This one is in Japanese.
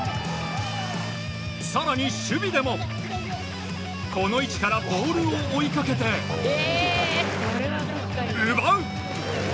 更に、守備でもこの位置からボールを追いかけて奪う！